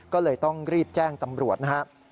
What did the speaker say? ก็เลยต้องรีบแจ้งตำรวจนะครับ